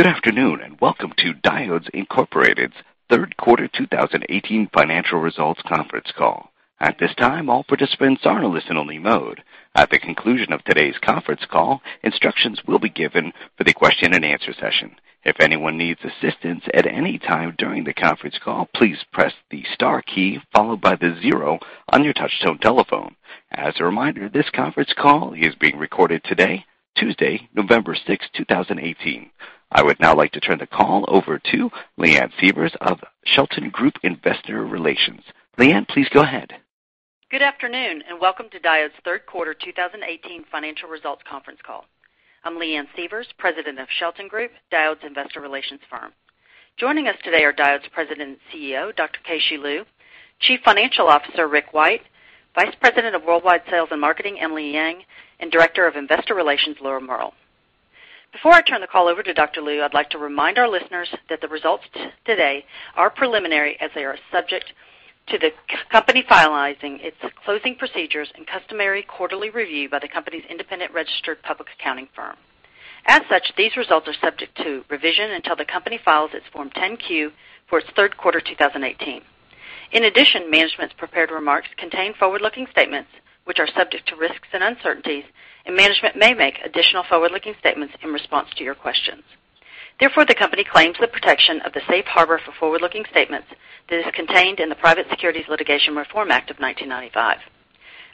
Good afternoon. Welcome to Diodes Incorporated's Third Quarter 2018 Financial Results Conference Call. At this time, all participants are in listen-only mode. At the conclusion of today's conference call, instructions will be given for the question-and-answer session. If anyone needs assistance at any time during the conference call, please press the star key followed by the zero on your touchtone telephone. As a reminder, this conference call is being recorded today, Tuesday, November sixth, 2018. I would now like to turn the call over to Leanne Sievers of Shelton Group Investor Relations. Leanne, please go ahead. Good afternoon. Welcome to Diodes' Third Quarter 2018 Financial Results Conference Call. I'm Leanne Sievers, president of Shelton Group, Diodes' Investor Relations firm. Joining us today are Diodes President and CEO, Dr. Keh-Shew Lu, Chief Financial Officer, Richard White, Vice President of Worldwide Sales and Marketing, Emily Yang, and Director of Investor Relations, Laura Mehrl. Before I turn the call over to Dr. Keh-Shew Lu, I'd like to remind our listeners that the results today are preliminary as they are subject to the company finalizing its closing procedures and customary quarterly review by the company's independent registered public accounting firm. As such, these results are subject to revision until the company files its Form 10-Q for its third quarter 2018. In addition, management's prepared remarks contain forward-looking statements which are subject to risks and uncertainties. Management may make additional forward-looking statements in response to your questions. Therefore, the company claims the protection of the safe harbor for forward-looking statements that is contained in the Private Securities Litigation Reform Act of 1995.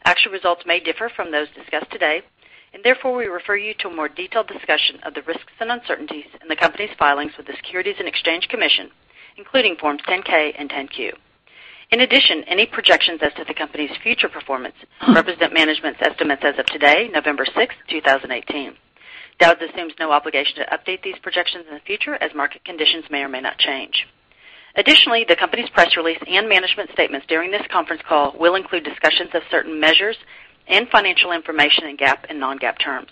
Actual results may differ from those discussed today. Therefore, we refer you to a more detailed discussion of the risks and uncertainties in the company's filings with the Securities and Exchange Commission, including Forms 10-K and 10-Q. In addition, any projections as to the company's future performance represent management's estimates as of today, November sixth, 2018. Diodes assumes no obligation to update these projections in the future as market conditions may or may not change. Additionally, the company's press release and management statements during this conference call will include discussions of certain measures and financial information in GAAP and non-GAAP terms.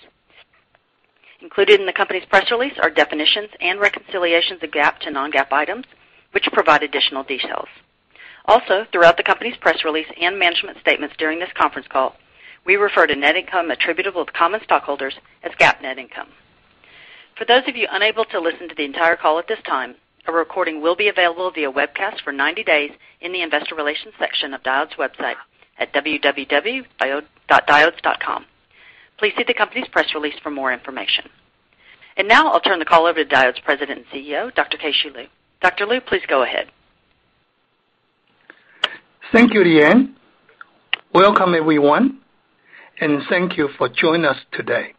Included in the company's press release are definitions and reconciliations of GAAP to non-GAAP items, which provide additional details. Also, throughout the company's press release and management statements during this conference call, we refer to net income attributable to common stockholders as GAAP net income. For those of you unable to listen to the entire call at this time, a recording will be available via webcast for 90 days in the investor relations section of Diodes' website at www.diodes.com. Please see the company's press release for more information. Now I'll turn the call over to Diodes President and CEO, Dr. Keh-Shew Lu. Dr. Keh-Shew Lu, please go ahead. Thank you, Leanne Sievers. Welcome, everyone, and thank you for joining us today.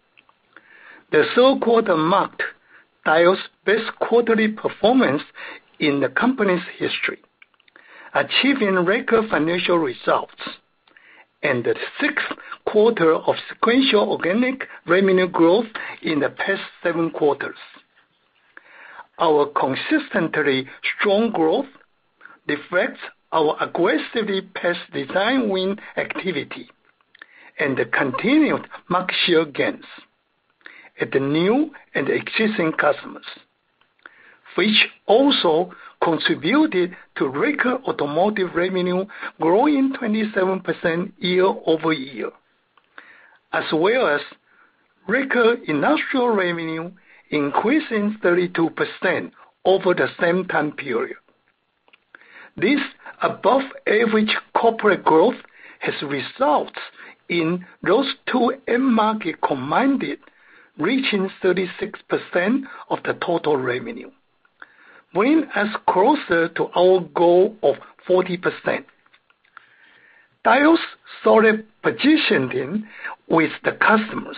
The third quarter marked Diodes' best quarterly performance in the company's history, achieving record financial results and the sixth quarter of sequential organic revenue growth in the past seven quarters. Our consistently strong growth reflects our aggressive past design win activity and the continued market share gains at the new and existing customers, which also contributed to record automotive revenue growing 27% year-over-year, as well as record industrial revenue increasing 32% over the same time period. This above average corporate growth has resulted in those two end market combined reaching 36% of the total revenue, bringing us closer to our goal of 40%. Diodes' solid positioning with the customers,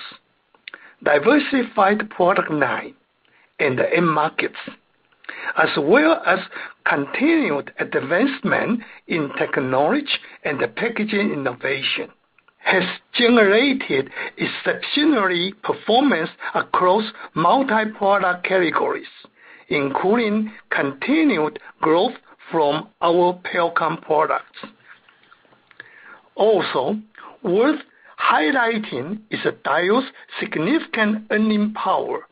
diversified product line and the end markets, as well as continued advancement in technology and the packaging innovation, has generated exceptional performance across multi-product categories, including continued growth from our Pericom products. Worth highlighting is Diodes' significant earning power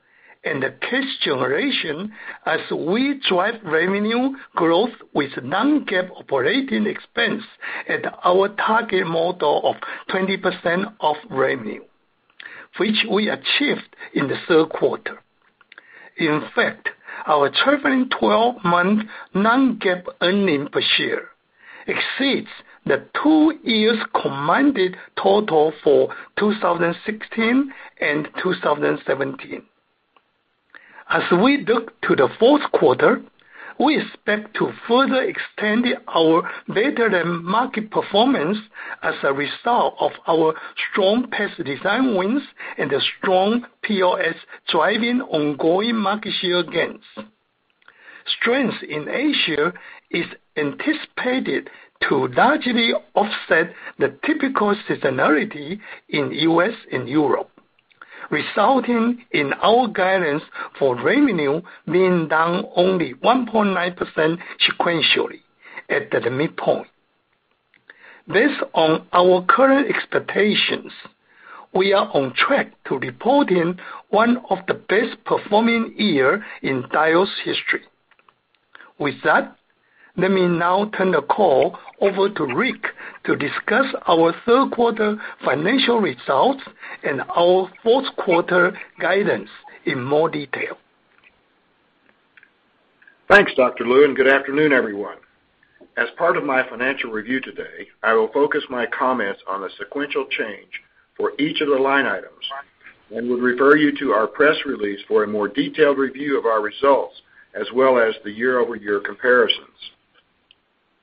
and the cash generation as we drive revenue growth with non-GAAP operating expense at our target model of 20% of revenue, which we achieved in the third quarter. In fact, our trailing 12-month non-GAAP earnings per share exceeds the two years combined total for 2016 and 2017. As we look to the fourth quarter, we expect to further extend our better than market performance as a result of our strong past design wins and the strong POS driving ongoing market share gains. Strength in Asia is anticipated to largely offset the typical seasonality in U.S. and Europe, resulting in our guidance for revenue being down only 1.9% sequentially at the midpoint. Based on our current expectations, we are on track to reporting one of the best performing year in Diodes' history. With that, let me now turn the call over to Richard White to discuss our third quarter financial results and our fourth quarter guidance in more detail. Thanks, Dr. Keh-Shew Lu. Good afternoon, everyone. As part of my financial review today, I will focus my comments on the sequential change for each of the line items and would refer you to our press release for a more detailed review of our results, as well as the year-over-year comparisons.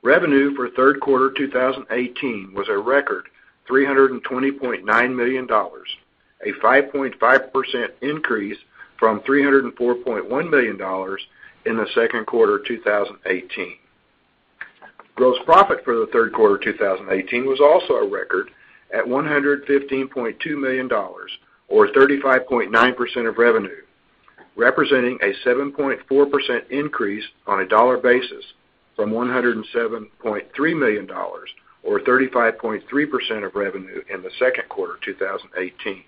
Revenue for third quarter 2018 was a record $320.9 million, a 5.5% increase from $304.1 million in the second quarter of 2018. Gross profit for the third quarter 2018 was also a record at $115.2 million or 35.9% of revenue, representing a 7.4% increase on a dollar basis from $107.3 million or 35.3% of revenue in the second quarter 2018.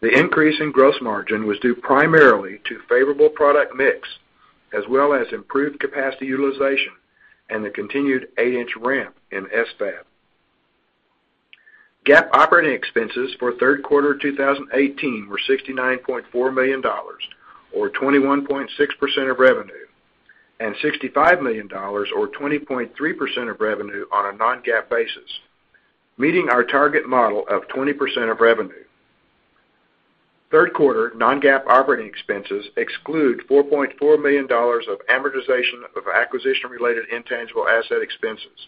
The increase in gross margin was due primarily to favorable product mix, as well as improved capacity utilization and the continued eight-inch ramp in SFAB. GAAP operating expenses for third quarter 2018 were $69.4 million or 21.6% of revenue, and $65 million or 20.3% of revenue on a non-GAAP basis, meeting our target model of 20% of revenue. Third quarter non-GAAP operating expenses exclude $4.4 million of amortization of acquisition-related intangible asset expenses.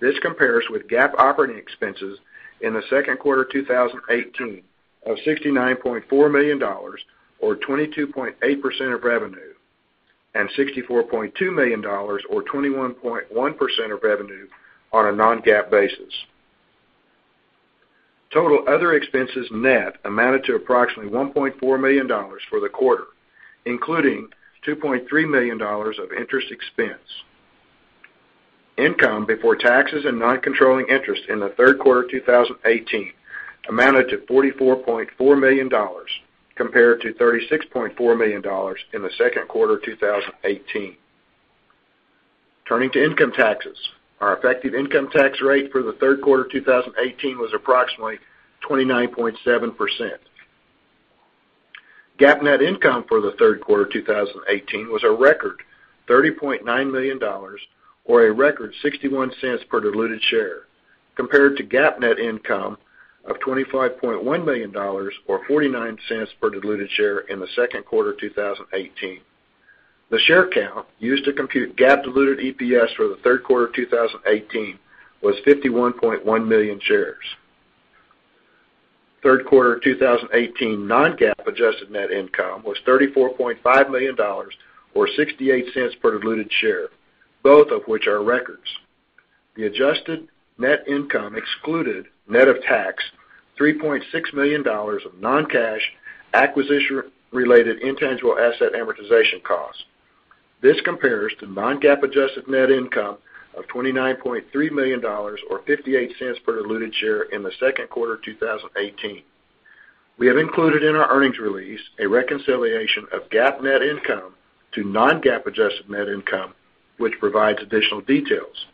This compares with GAAP operating expenses in the second quarter 2018 of $69.4 million or 22.8% of revenue, and $64.2 million or 21.1% of revenue on a non-GAAP basis. Total other expenses net amounted to approximately $1.4 million for the quarter, including $2.3 million of interest expense. Income before taxes and non-controlling interest in the third quarter 2018 amounted to $44.4 million compared to $36.4 million in the second quarter 2018. Turning to income taxes, our effective income tax rate for the third quarter 2018 was approximately 29.7%. GAAP net income for the third quarter 2018 was a record $30.9 million or a record $0.61 per diluted share, compared to GAAP net income of $25.1 million or $0.49 per diluted share in the second quarter 2018. The share count used to compute GAAP diluted EPS for the third quarter 2018 was 51.1 million shares. Third quarter 2018 non-GAAP adjusted net income was $34.5 million or $0.68 per diluted share, both of which are records. The adjusted net income excluded net of tax, $3.6 million of non-cash acquisition-related intangible asset amortization costs. This compares to non-GAAP adjusted net income of $29.3 million or $0.58 per diluted share in the second quarter 2018. We have included in our earnings release a reconciliation of GAAP net income to non-GAAP adjusted net income, which provides additional details.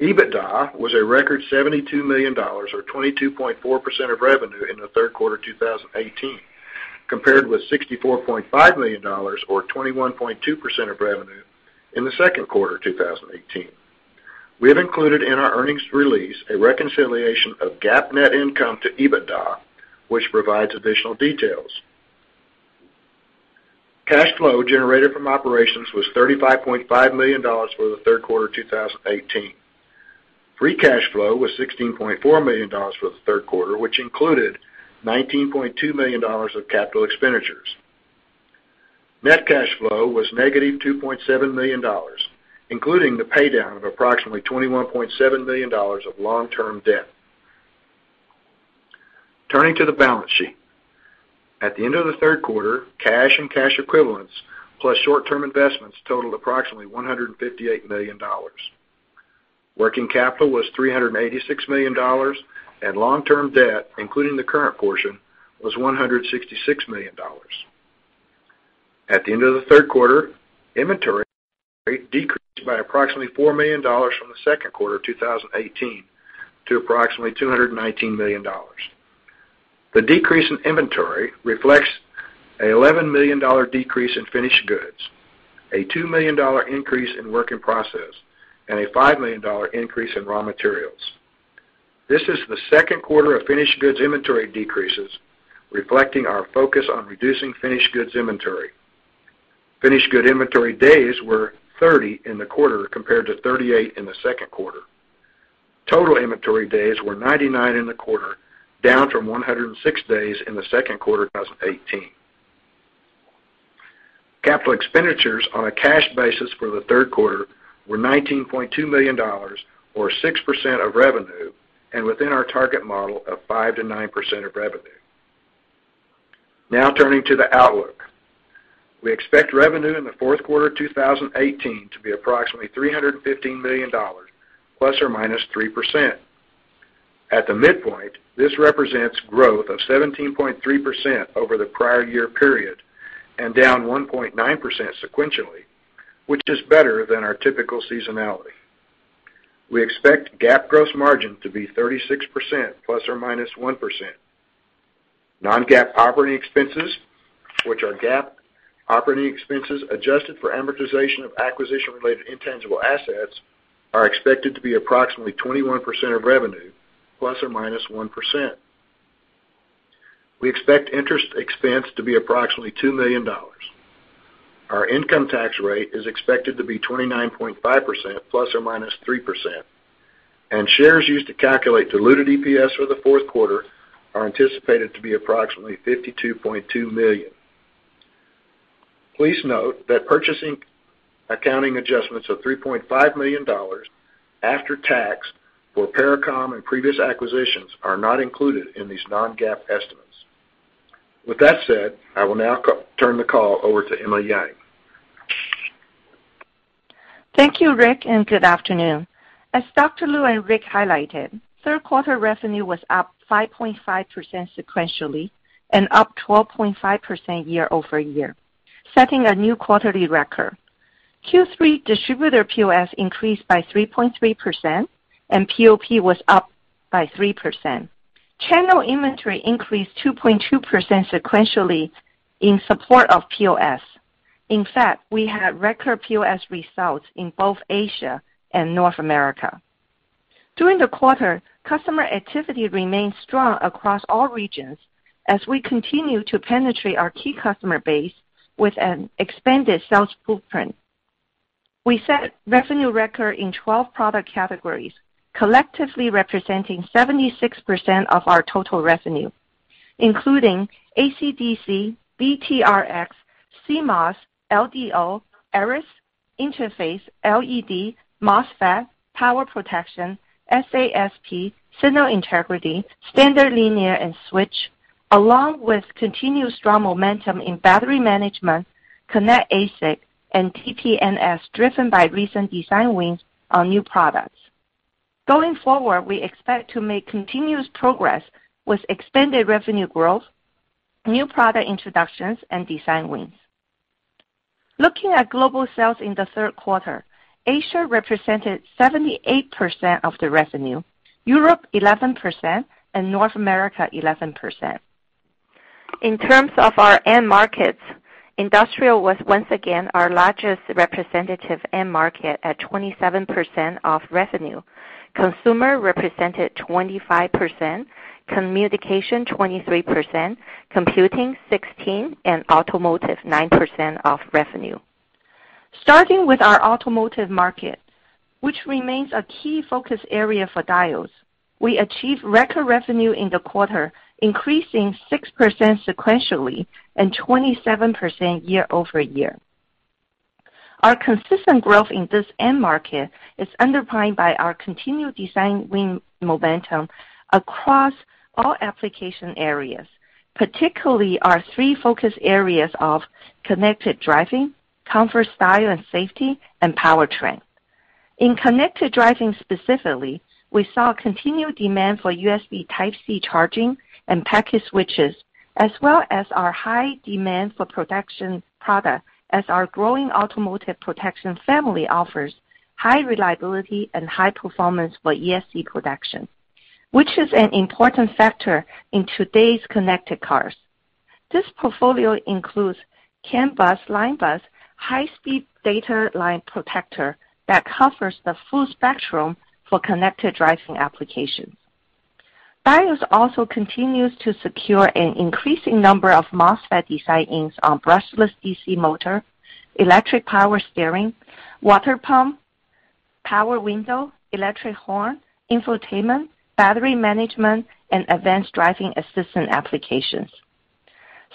EBITDA was a record $72 million or 22.4% of revenue in the third quarter 2018, compared with $64.5 million or 21.2% of revenue in the second quarter 2018. We have included in our earnings release a reconciliation of GAAP net income to EBITDA, which provides additional details. Cash flow generated from operations was $35.5 million for the third quarter 2018. Free cash flow was $16.4 million for the third quarter, which included $19.2 million of capital expenditures. Net cash flow was negative $2.7 million, including the paydown of approximately $21.7 million of long-term debt. Turning to the balance sheet. At the end of the third quarter, cash and cash equivalents plus short-term investments totaled approximately $158 million. Working capital was $386 million, and long-term debt, including the current portion, was $166 million. At the end of the third quarter, inventory decreased by approximately $4 million from the second quarter 2018 to approximately $219 million. The decrease in inventory reflects an $11 million decrease in finished goods, a $2 million increase in work in process, and a $5 million increase in raw materials. This is the second quarter of finished goods inventory decreases, reflecting our focus on reducing finished goods inventory. Finished good inventory days were 30 in the quarter compared to 38 in the second quarter. Total inventory days were 99 in the quarter, down from 106 days in the second quarter 2018. Capital expenditures on a cash basis for the third quarter were $19.2 million or 6% of revenue and within our target model of 5%-9% of revenue. Turning to the outlook. We expect revenue in the fourth quarter 2018 to be approximately $315 million ±3%. At the midpoint, this represents growth of 17.3% over the prior year period and down 1.9% sequentially, which is better than our typical seasonality. We expect GAAP gross margin to be 36% ±1%. Non-GAAP operating expenses, which are GAAP operating expenses adjusted for amortization of acquisition-related intangible assets, are expected to be approximately 21% of revenue ±1%. We expect interest expense to be approximately $2 million. Our income tax rate is expected to be 29.5% ±3%, and shares used to calculate diluted EPS for the fourth quarter are anticipated to be approximately 52.2 million. Please note that purchase accounting adjustments of $3.5 million after tax for Pericom and previous acquisitions are not included in these non-GAAP estimates. With that said, I will now turn the call over to Emily Yang. Thank you, Richard White, and good afternoon. As Dr. Keh-Shew Lu and Richard White highlighted, third quarter revenue was up 5.5% sequentially and up 12.5% year-over-year, setting a new quarterly record. Q3 distributor POS increased by 3.3%, and POP was up by 3%. Channel inventory increased 2.2% sequentially in support of POS. In fact, we had record POS results in both Asia and North America. During the quarter, customer activity remained strong across all regions as we continue to penetrate our key customer base with an expanded sales footprint. We set revenue record in 12 product categories, collectively representing 76% of our total revenue, including AC-DC, Bipolar, CMOS, LDO, ERIS, Interface, LED, MOSFET, Power Protection, SASP, Signal Integrity, Standard Linear and Switch, along with continued strong momentum in Battery Management, Connectivity ASIC, and TPMS, driven by recent design wins on new products. Going forward, we expect to make continuous progress with expanded revenue growth, new product introductions, and design wins. Looking at global sales in the third quarter, Asia represented 78% of the revenue, Europe 11%, and North America 11%. In terms of our end markets, industrial was once again our largest representative end market at 27% of revenue. Consumer represented 25%, communication 23%, computing 16%, and automotive 9% of revenue. Starting with our automotive market, which remains a key focus area for Diodes, we achieved record revenue in the quarter, increasing 6% sequentially and 27% year-over-year. Our consistent growth in this end market is underpinned by our continued design win momentum across all application areas, particularly our three focus areas of connected driving, comfort, style, and safety, and powertrain. In connected driving specifically, we saw continued demand for USB Type-C charging and packet switches, as well as our high demand for protection product as our growing automotive protection family offers high reliability and high performance for ESD protection, which is an important factor in today's connected cars. This portfolio includes CAN bus, LIN bus, high-speed data line protector that covers the full spectrum for connected driving applications. Diodes also continues to secure an increasing number of MOSFET designs on brushless DC motor, electric power steering, water pump, power window, electric horn, infotainment, Battery Management, and advanced driving assistant applications.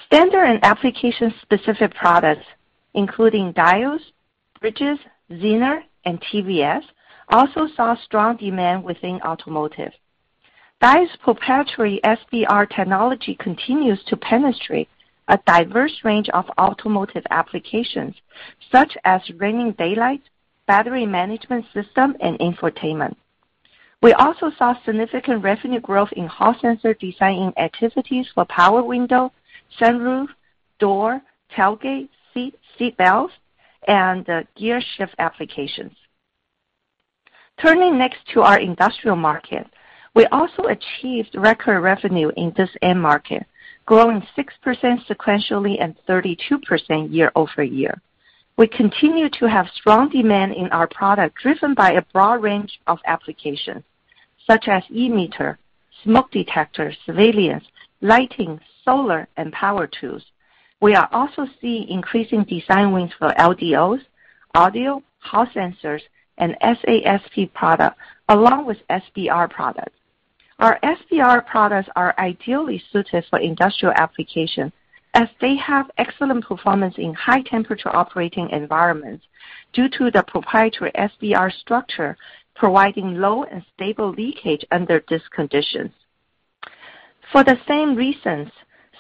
Standard and application-specific products, including diodes, bridges, Zener, and TVS, also saw strong demand within automotive. Diodes' proprietary SBR technology continues to penetrate a diverse range of automotive applications, such as running daylight, Battery Management System, and infotainment. We also saw significant revenue growth in Hall sensor design-in activities for power window, sunroof, door, tailgate, seat belts, and gear shift applications. Turning next to our industrial market, we also achieved record revenue in this end market, growing 6% sequentially and 32% year-over-year. We continue to have strong demand in our product driven by a broad range of applications, such as e-meter, smoke detectors, surveillance, lighting, solar, and power tools. We are also seeing increasing design wins for LDOs, audio, Hall sensors, and SASP product, along with SBR products. Our SBR products are ideally suited for industrial applications as they have excellent performance in high-temperature operating environments due to the proprietary SBR structure providing low and stable leakage under these conditions. For the same reasons,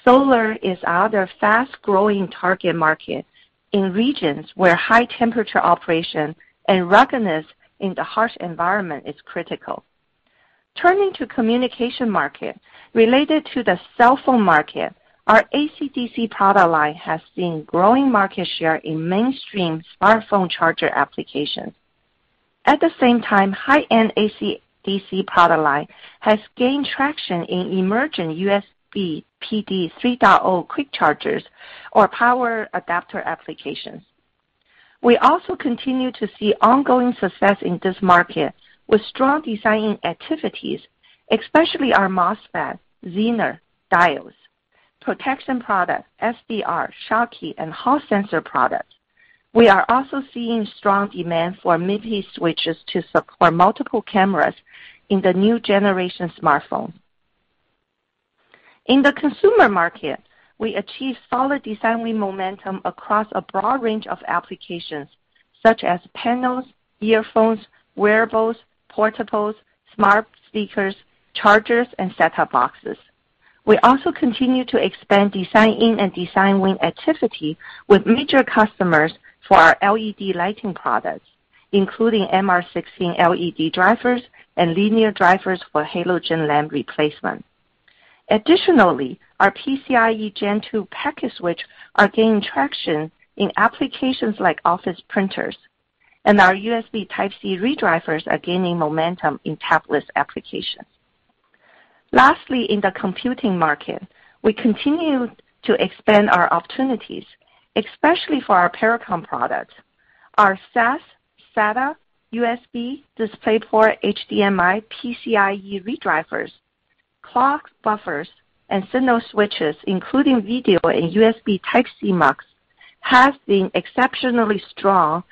solar is our fast-growing target market in regions where high-temperature operation and ruggedness in the harsh environment is critical. Turning to communication market, related to the cell phone market, our AC-DC product line has seen growing market share in mainstream smartphone charger applications. At the same time, high-end AC-DC product line has gained traction in emerging USB PD 3.0 quick chargers or power adapter applications. We also continue to see ongoing success in this market with strong designing activities, especially our MOSFET, Zener, diodes, protection products, SBR, Schottky, and Hall sensor products. We are also seeing strong demand for MUX switches to support multiple cameras in the new generation smartphone. In the consumer market, we achieve solid designing momentum across a broad range of applications such as panels, earphones, wearables, portables, smart speakers, chargers, and set-top boxes. We also continue to expand design-in and design win activity with major customers for our LED lighting products, including MR16 LED drivers and linear drivers for halogen lamp replacement. Additionally, our PCIe Gen 2 packet switch are gaining traction in applications like office printers, and our USB Type-C ReDrivers are gaining momentum in tablets applications. Lastly, in the computing market, we continue to expand our opportunities, especially for our PowerConn products. Our SAS, SATA, USB DisplayPort, HDMI, PCIe ReDrivers, clock buffers, and signal switches, including video and USB Type-C MUX, have been exceptionally strong.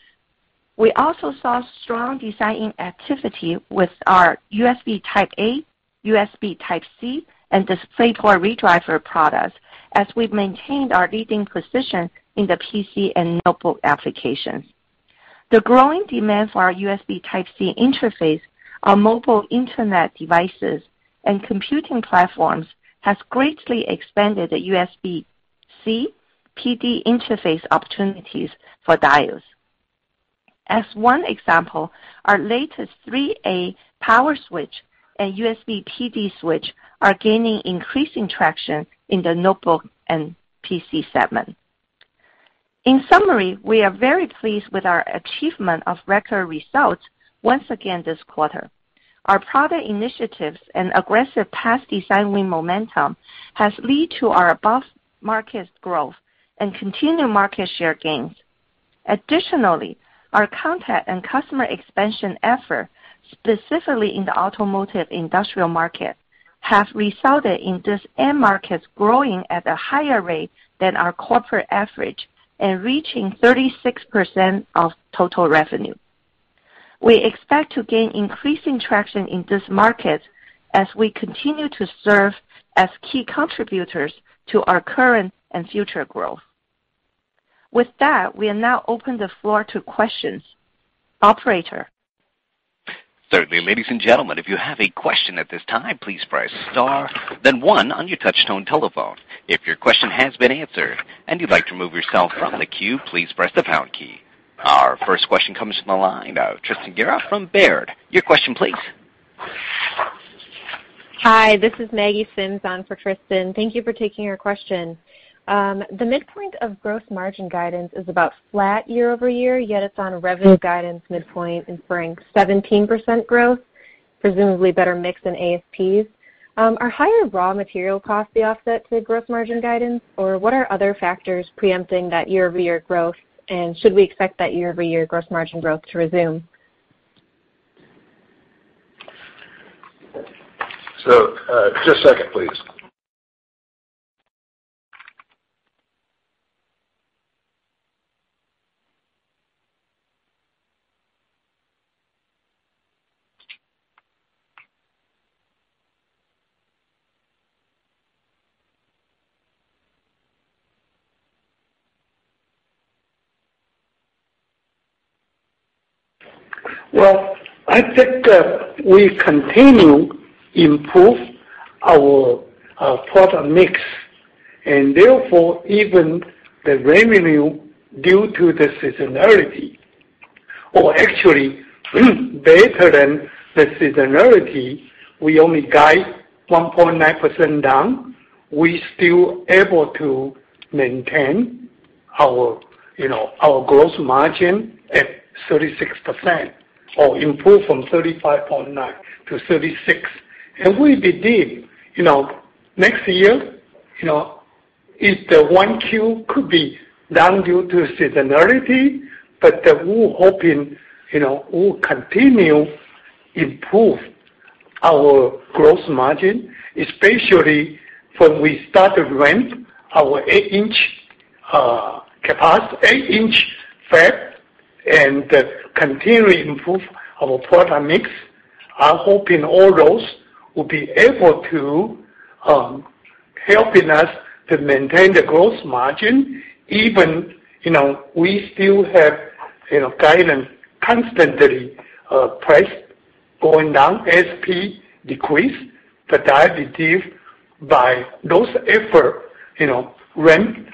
We also saw strong design-in activity with our USB Type-A, USB Type-C, and DisplayPort ReDriver products as we've maintained our leading position in the PC and notebook applications. The growing demand for our USB Type-C interface on mobile internet devices and computing platforms has greatly expanded the USB-C PD interface opportunities for Diodes. As one example, our latest 3A power switch and USB PD switch are gaining increasing traction in the notebook and PC segment. In summary, we are very pleased with our achievement of record results once again this quarter. Our product initiatives and aggressive past design win momentum has led to our above-market growth and continued market share gains. Additionally, our contact and customer expansion effort, specifically in the automotive industrial market, have resulted in this end market growing at a higher rate than our corporate average and reaching 36% of total revenue. We expect to gain increasing traction in this market as we continue to serve as key contributors to our current and future growth. With that, we'll now open the floor to questions. Operator? Certainly. Ladies and gentlemen, if you have a question at this time, please press star then one on your touch tone telephone. If your question has been answered and you'd like to remove yourself from the queue, please press the pound key. Our first question comes from the line of Tristan Gerra from Baird. Your question please. Hi, this is Maggie Sims on for Tristan Gerra. Thank you for taking our question. The midpoint of gross margin guidance is about flat year-over-year, yet it's on a revenue guidance midpoint implying 17% growth, presumably better mix than ASPs. Are higher raw material costs the offset to gross margin guidance, or what are other factors preempting that year-over-year growth? Should we expect that year-over-year gross margin growth to resume? Just a second, please. Well, I think that we continue improve our product mix. Therefore, even the revenue due to the seasonality or actually better than the seasonality, we only guide 1.9% down. We still able to maintain our gross margin at 36% or improve from 35.9-36. We believe next year, if the 1Q could be down due to seasonality, we're hoping we'll continue improve our gross margin, especially when we start to ramp our 8-inch fab and continue improve our product mix. I'm hoping all those will be able to. Helping us to maintain the gross margin, even we still have guidance constantly price going down, ASP decrease. I believe by those effort, ramp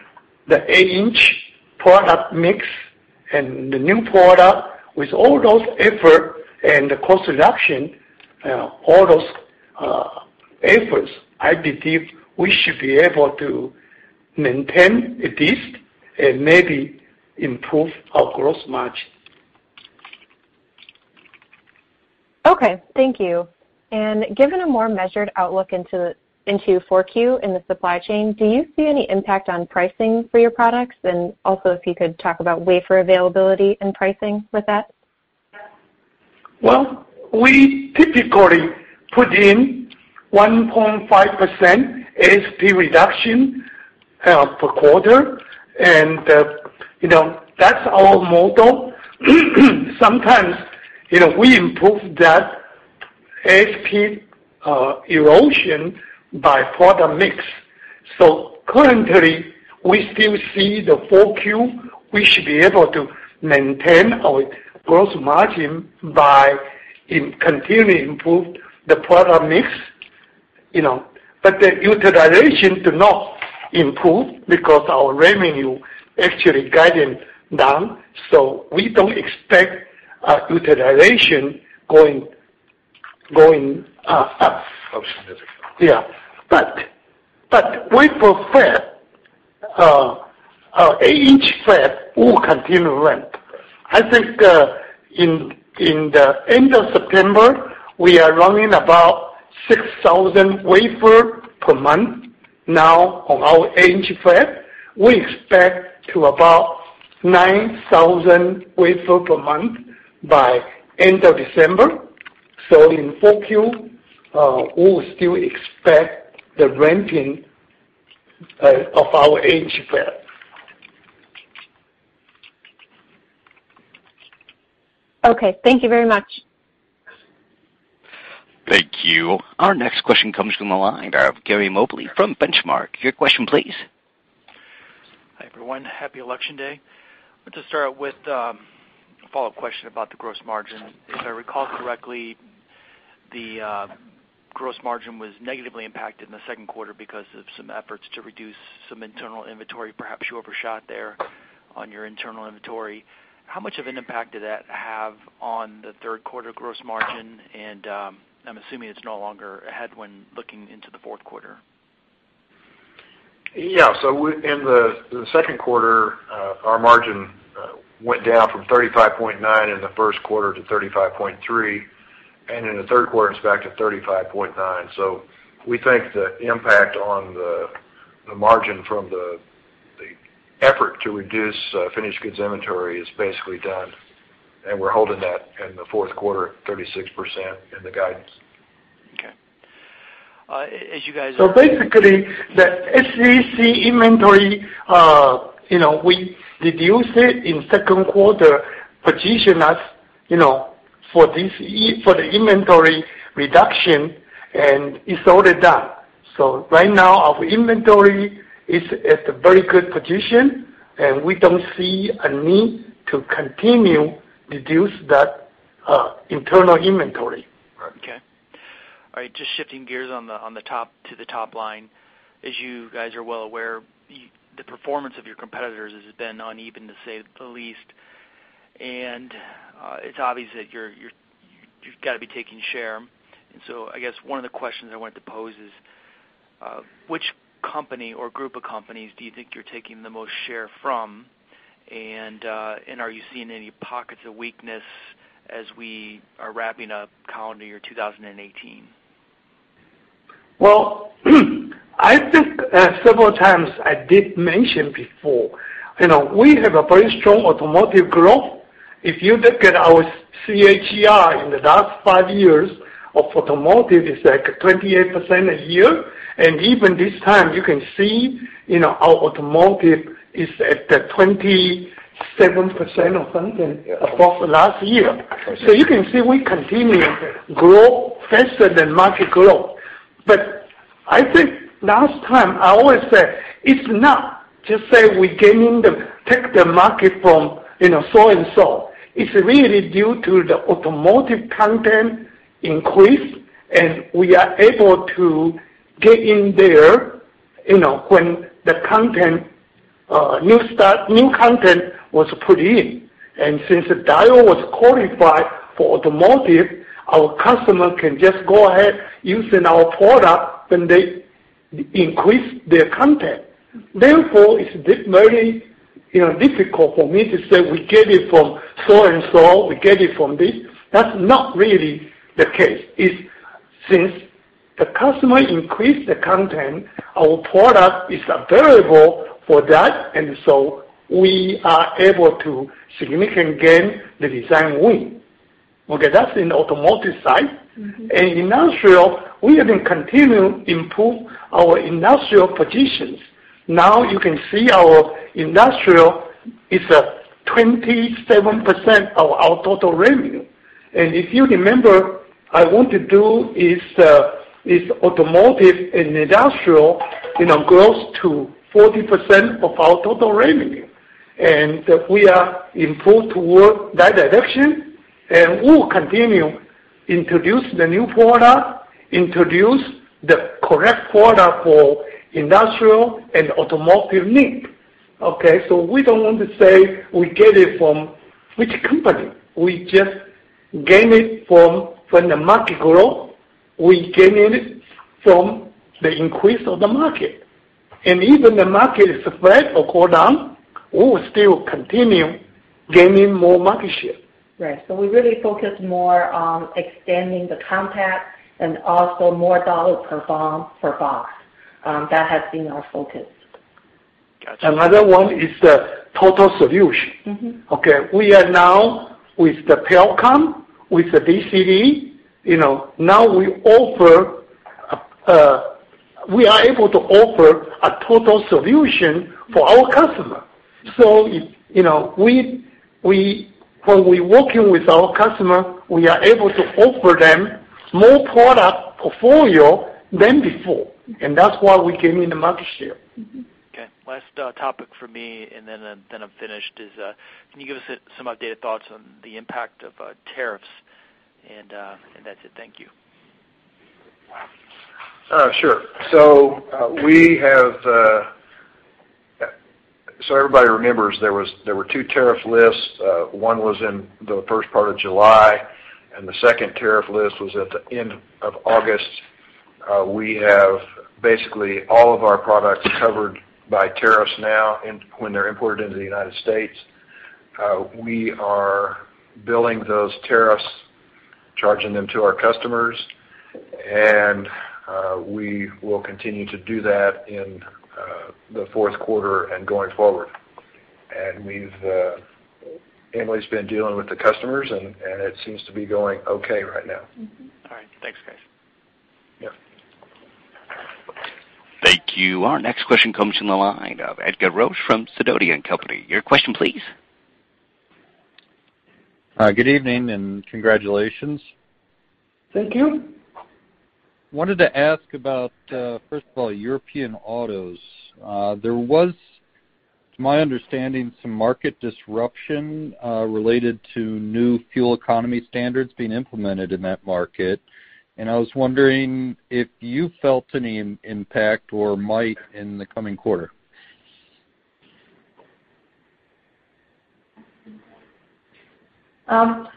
the 8-inch product mix and the new product, with all those effort and the cost reduction, all those efforts, I believe we should be able to maintain at least and maybe improve our gross margin. Okay. Thank you. Given a more measured outlook into 4Q in the supply chain, do you see any impact on pricing for your products? Also, if you could talk about wafer availability and pricing with that. Well, we typically put in 1.5% ASP reduction per quarter. That's our motto. Sometimes, we improve that ASP erosion by product mix. Currently, we still see the 4Q, we should be able to maintain our gross margin by continually improve the product mix. The utilization do not improve because our revenue actually guiding down. We don't expect our utilization going up. Up significantly. Yeah. Wafer fab, our eight-inch fab will continue to ramp. I think in the end of September, we are running about 6,000 wafer per month now on our eight-inch fab. We expect to about 9,000 wafer per month by end of December. In 4Q, we will still expect the ramping of our eight-inch fab. Okay. Thank you very much. Thank you. Our next question comes from the line of Gary Mobley from Benchmark. Your question, please. Hi, everyone. Happy election day. I want to start with a follow-up question about the gross margin. If I recall correctly, the gross margin was negatively impacted in the second quarter because of some efforts to reduce some internal inventory. Perhaps you overshot there on your internal inventory. How much of an impact did that have on the third quarter gross margin? I'm assuming it's no longer a headwind looking into the fourth quarter. Yeah. In the second quarter, our margin went down from 35.9 in the first quarter to 35.3. In the third quarter, it's back to 35.9. We think the impact on the margin from the effort to reduce finished goods inventory is basically done. We're holding that in the fourth quarter at 36% in the guidance. Okay. Basically, the SFAB inventory, we reduced it in second quarter, position us, for the inventory reduction, and it's already done. Right now, our inventory is at a very good position, and we don't see a need to continue reduce that internal inventory. Okay. All right, just shifting gears on to the top line. As you guys are well aware, the performance of your competitors has been uneven, to say the least. It's obvious that you've got to be taking share. I guess one of the questions I wanted to pose is, which company or group of companies do you think you're taking the most share from? Are you seeing any pockets of weakness as we are wrapping up calendar year 2018? Well, I think several times I did mention before, we have a very strong automotive growth. If you look at our CAGR in the last five years of automotive, it's like 28% a year. Even this time, you can see our automotive is at the 27% or something above last year. You can see we continue to grow faster than market growth. I think last time, I always said, it's not just say we take the market from so and so. It's really due to the automotive content increase, and we are able to get in there when the new content was put in. Since the diode was qualified for automotive, our customer can just go ahead using our product, and they increase their content. Therefore, it's very difficult for me to say we get it from so and so, we get it from this. That's not really the case. It's since the customer increased the content, our product is available for that, and so we are able to significantly gain the design win. Okay, that's in automotive side. Industrial, we have been continuing improve our industrial positions. Now you can see our industrial is at 27% of our total revenue. If you remember, I want to do is automotive and industrial grows to 40% of our total revenue. We are in full toward that direction, and we will continue introduce the new product, introduce the correct product for industrial and automotive need. Okay? We don't want to say we get it from which company. We just gain it from the market growth. We gaining it from the increase of the market. Even the market is flat or cool down, we will still continue gaining more market share. Right. We really focus more on extending the content and also more dollar per box. That has been our focus. Got you. Another one is the total solution. We are now with Pericom, with DCD. Now we are able to offer a total solution for our customer. When we working with our customer, we are able to offer them more product portfolio than before, that's why we gain in the market share. Last topic for me, and then I'm finished, is can you give us some updated thoughts on the impact of tariffs? That's it. Thank you. Everybody remembers there were two tariff lists. One was in the first part of July, and the second tariff list was at the end of August. We have basically all of our products covered by tariffs now when they're imported into the United States. We are billing those tariffs, charging them to our customers, and we will continue to do that in the fourth quarter and going forward. Emily's been dealing with the customers, and it seems to be going okay right now. All right. Thanks, guys. Yeah. Thank you. Our next question comes from the line of Edgar Roesch from Sidoti & Company. Your question, please. Good evening. Congratulations. Thank you. Wanted to ask about, first of all, European autos. There was, to my understanding, some market disruption related to new fuel economy standards being implemented in that market. I was wondering if you felt any impact or might in the coming quarter.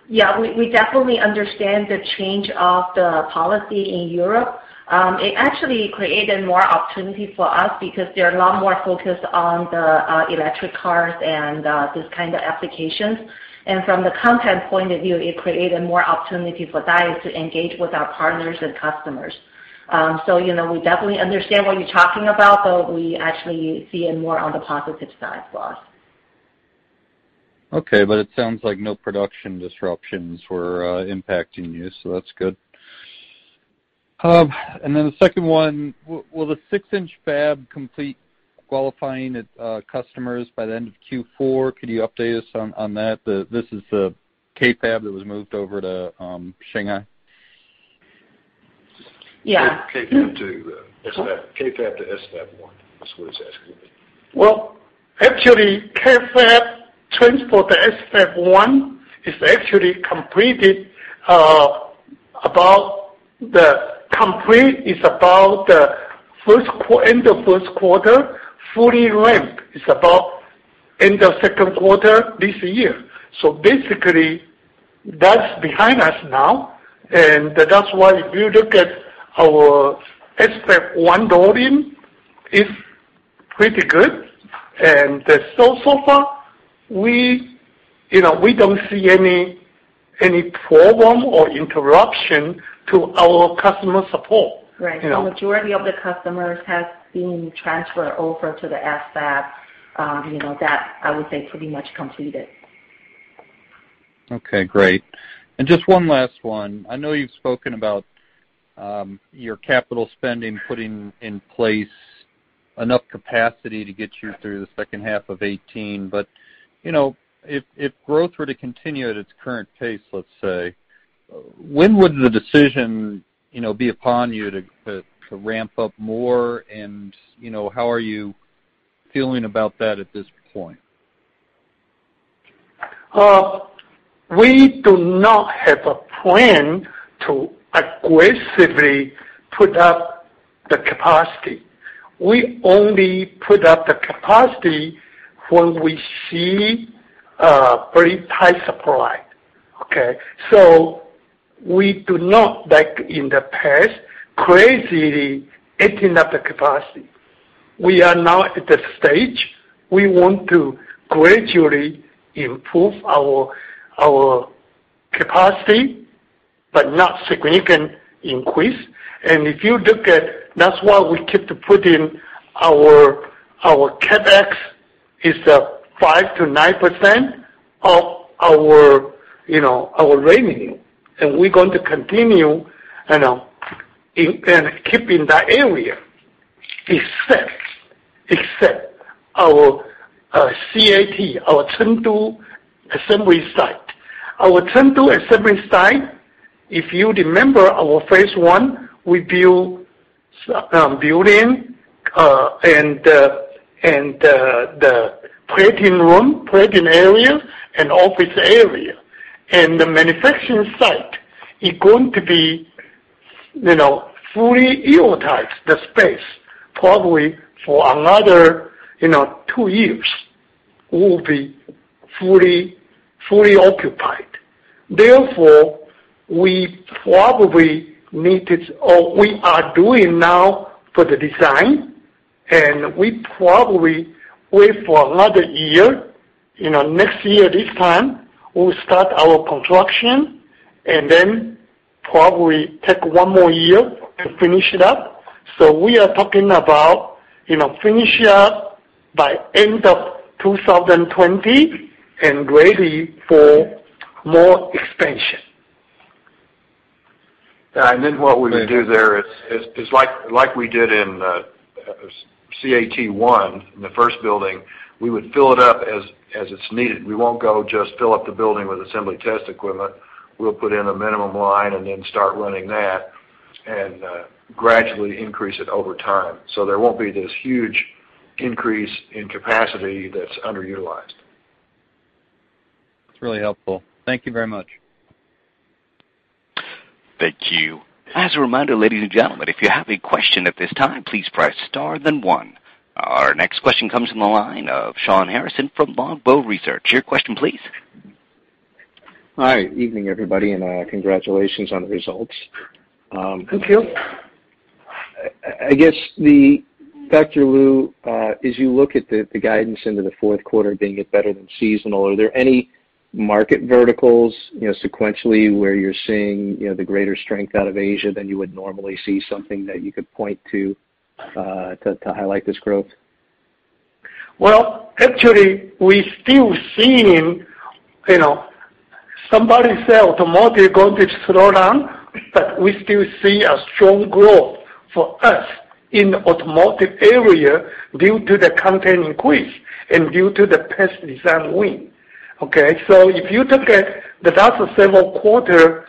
Yeah. We definitely understand the change of the policy in Europe. It actually created more opportunity for us because they are a lot more focused on the electric cars and these kind of applications. From the content point of view, it created more opportunity for Diodes to engage with our partners and customers. We definitely understand what you are talking about. We actually see it more on the positive side for us. Okay. It sounds like no production disruptions were impacting you, that is good. The second one, will the six-inch KFAB complete qualifying its customers by the end of Q4? Could you update us on that? This is the KFAB that was moved over to Shanghai. Yeah. KFAB to SFAB one, is what he's asking. Well, actually, KFAB transport to SFAB one is actually completed about the end of first quarter. Fully ramped is about end of second quarter this year. Basically, that's behind us now, and that's why if you look at our SFAB one volume, it's pretty good. So far, we don't see any problem or interruption to our customer support. Right. The majority of the customers have been transferred over to the SFAB. That, I would say, pretty much completed. Okay, great. Just one last one. I know you've spoken about your capital spending, putting in place enough capacity to get you through the second half of 2018, if growth were to continue at its current pace, let's say, when would the decision be upon you to ramp up more? How are you feeling about that at this point? We do not have a plan to aggressively put up the capacity. We only put up the capacity when we see very tight supply. Okay. We do not, like in the past, crazily eating up the capacity. We are now at the stage we want to gradually improve our capacity, but not significant increase. If you look at that's why we keep putting our CapEx is at 5%-9% of our revenue, and we're going to continue and keep in that area. Except our CAT, our Chengdu Assembly Site. Our Chengdu Assembly Site, if you remember our phase one, we built a building and the plating room, plating area, and office area. The manufacturing site is going to be fully utilized, the space, probably for another two years. We will be fully occupied. We are doing now for the design, and we probably wait for another year. Next year this time, we'll start our construction and probably take one more year to finish it up. We are talking about finishing up by end of 2020 and ready for more expansion. What we would do there is like we did in CAT 1, in the first building, we would fill it up as it's needed. We won't go just fill up the building with assembly test equipment. We'll put in a minimum line and start running that and gradually increase it over time. There won't be this huge increase in capacity that's underutilized. That's really helpful. Thank you very much. Thank you. As a reminder, ladies and gentlemen, if you have a question at this time, please press star then one. Our next question comes from the line of Shawn Harrison from Longbow Research. Your question, please. Hi, evening everybody, congratulations on the results. Thank you. I guess, Dr. Keh-Shew Lu, as you look at the guidance into the fourth quarter being better than seasonal, are there any market verticals sequentially where you're seeing the greater strength out of Asia than you would normally see, something that you could point to to highlight this growth? Well, actually, we're still seeing, somebody said automotive is going to slow down, but we still see a strong growth for us in the automotive area due to the content increase and due to the past design win. If you look at the last several quarter,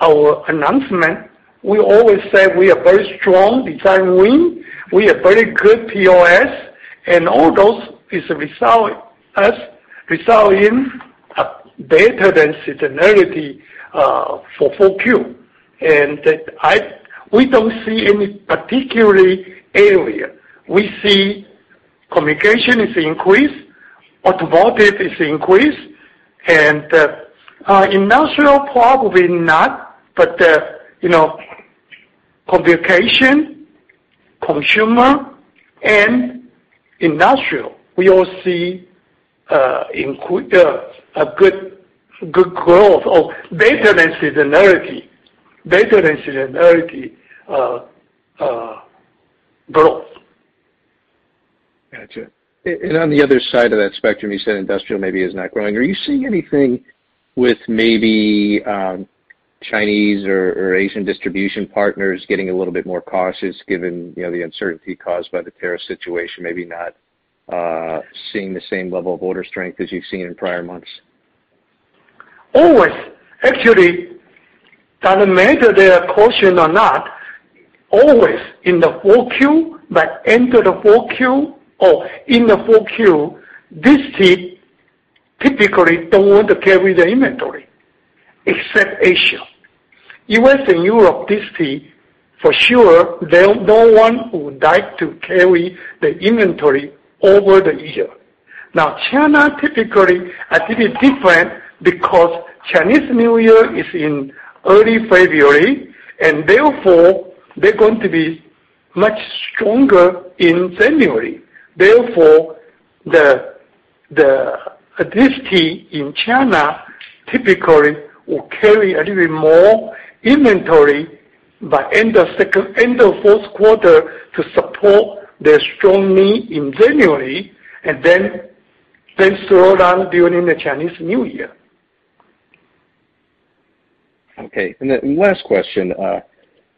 our announcement, we always say we are very strong design win, we are very good POS, and all those result in a better than seasonality for 4Q. We don't see any particular area. We see communication has increased, automotive has increased, and industrial probably not, but communication, consumer, and industrial, we all see a good growth, or better than seasonality growth. Got you. On the other side of that spectrum, you said industrial maybe is not growing. Are you seeing anything with maybe Chinese or Asian distribution partners getting a little bit more cautious given the uncertainty caused by the tariff situation, maybe not seeing the same level of order strength as you've seen in prior months? Always. Actually, doesn't matter they are caution or not, always in the 4Q, by end of the 4Q or in the 4Q, this team typically don't want to carry the inventory, except Asia. U.S. and Europe, this team, for sure, no one would like to carry the inventory over the year. Now, China typically, a little bit different because Chinese New Year is in early February. Therefore, they're going to be much stronger in January. The activity in China typically will carry a little bit more inventory by end of fourth quarter to support their strong need in January, and then slow down during the Chinese New Year. Okay. Last question.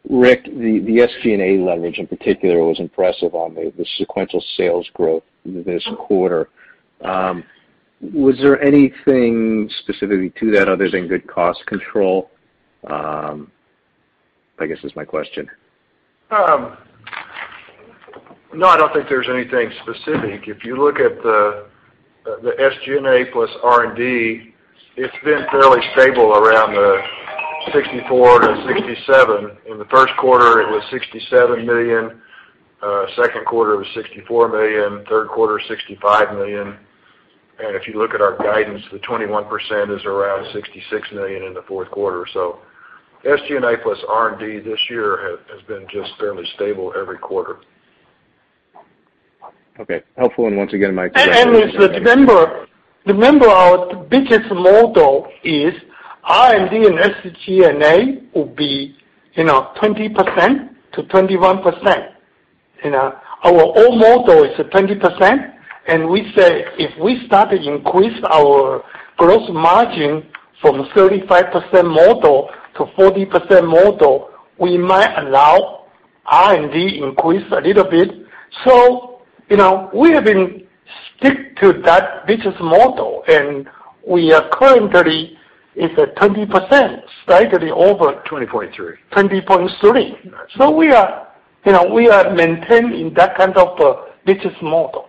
Richard White, the SG&A leverage in particular was impressive on the sequential sales growth this quarter. Was there anything specific to that other than good cost control? I guess is my question. No, I don't think there's anything specific. If you look at the SG&A plus R&D, it's been fairly stable around the $64 million-$67 million. In the first quarter, it was $67 million. Second quarter, it was $64 million. Third quarter, $65 million. If you look at our guidance, the 21% is around $66 million in the fourth quarter. SG&A plus R&D this year has been just fairly stable every quarter. Okay. Helpful, once again, Remember, our business model is R&D and SG&A will be 20%-21%. Our old model is 20%, we say if we start to increase our gross margin from 35%-40% model, we might allow R&D increase a little bit. We have been stick to that business model, we are currently, it's at 20%, slightly over. 20.3%. 20.3%. We are maintaining that kind of business model.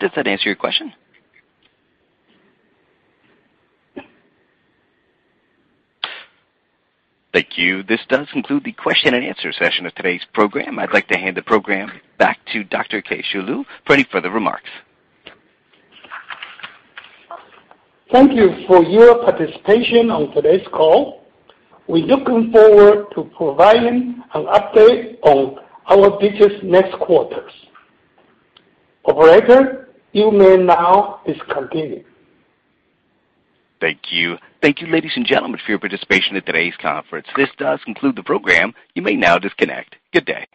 Does that answer your question? Thank you. This does conclude the question and answer session of today's program. I'd like to hand the program back to Dr. Keh-Shew Lu for any further remarks. Thank you for your participation on today's call. We're looking forward to providing an update on our business next quarters. Operator, you may now discontinue. Thank you. Thank you, ladies and gentlemen, for your participation in today's conference. This does conclude the program. You may now disconnect. Good day.